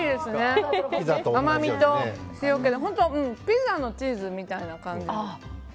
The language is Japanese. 甘みと塩気で本当、ピザのチーズみたいで。